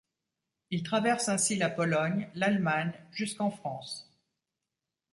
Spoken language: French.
Il traverse ainsi la Pologne, l'Allemagne, jusqu'en France.